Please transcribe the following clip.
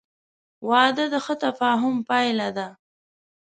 • واده د ښه تفاهم پایله ده.